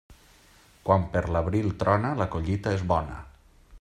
Quan per l'abril trona, la collita és bona.